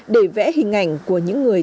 để vẽ hình ảnh của những người